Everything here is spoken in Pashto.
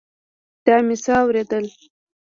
دا مې څه اورېدل.